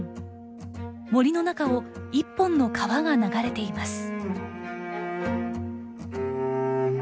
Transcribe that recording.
森の中を一本の川が流れています。